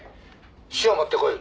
塩持ってこい。